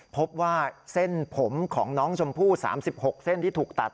พบว่าเส้นผมของน้องชมพู่๓๖เส้นที่ถูกตัด